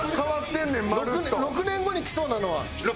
６年後にきそうなのは？